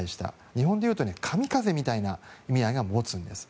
日本でいうと神風みたいな意味合いを持つんです。